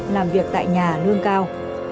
làm việc tại nhà lương cao